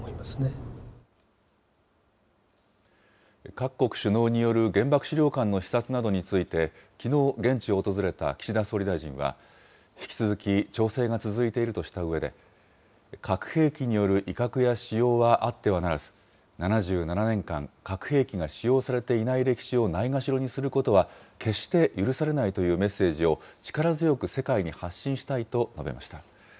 各国首脳による原爆資料館の視察などについて、きのう、現地を訪れた岸田総理大臣は、引き続き調整が続いているとしたうえで、核兵器による威嚇や使用はあってはならず、７７年間核兵器が使用されていない歴史をないがしろにすることは決して許されないというメッセージを、力強く世界に発信したいと述べました。